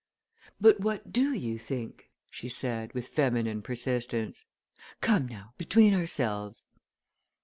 "But what do you think?" she said with feminine persistence. "Come, now, between ourselves?"